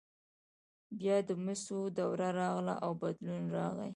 بیا د مسو دوره راغله او بدلون راغی.